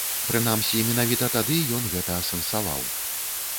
Прынамсі, менавіта тады ён гэта асэнсаваў.